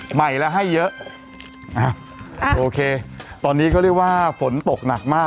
ใหม่แล้วให้เยอะอ้าวโอเคตอนนี้ก็เรียกว่าฝนตกหนักมาก